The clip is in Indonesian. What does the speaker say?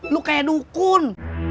lo kayak dukun